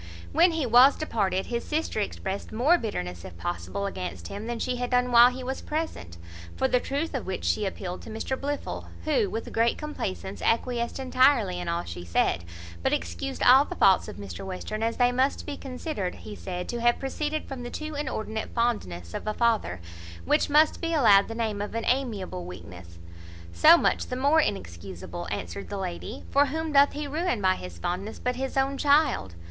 [*] Possibly Circassian. When he was departed, his sister expressed more bitterness (if possible) against him than she had done while he was present; for the truth of which she appealed to Mr Blifil, who, with great complacence, acquiesced entirely in all she said; but excused all the faults of Mr Western, "as they must be considered," he said, "to have proceeded from the too inordinate fondness of a father, which must be allowed the name of an amiable weakness." "So much the more inexcuseable," answered the lady; "for whom doth he ruin by his fondness but his own child?"